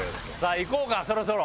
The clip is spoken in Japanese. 行こうかそろそろ。